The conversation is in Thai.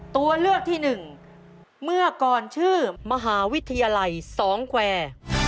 ตัวเลือกที่๑เมื่อกรชื่อมหาวิทยาลัย๒แกว่